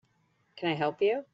Can I help you?